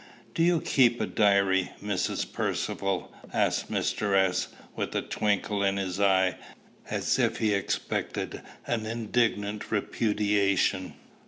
"Do you keep a diary, Mrs. Percivale?" asked Mr. S., with a twinkle in his eye, as if he expected an indignant repudiation.